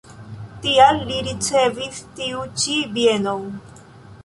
Tial li ricevis tiu ĉi bienon.